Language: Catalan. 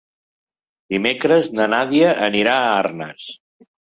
Dimecres na Nàdia anirà a Arnes.